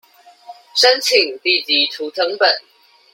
申請地籍圖謄本